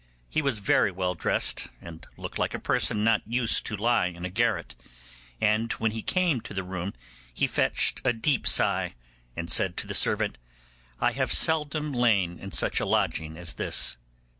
He was very well dressed, and looked like a person not used to lie in a garret; and when he came to the room he fetched a deep sigh, and said to the servant, 'I have seldom lain in such a lodging as this.